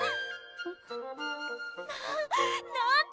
ななんて